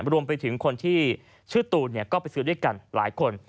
รวมไปถึงคนที่ชื่อตูนก็ไปซื้อด้วยกันหลายคน